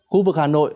khu vực hà nội